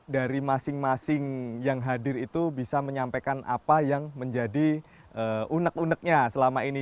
dari masing masing yang hadir itu bisa menyampaikan apa yang menjadi unek uneknya selama ini